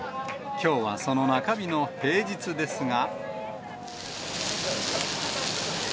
きょうはその中日の平日ですが。